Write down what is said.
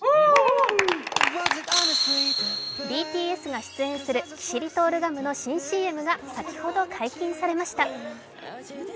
ＢＴＳが出演するキシリトールガムの新ＣＭが先ほど解禁されました。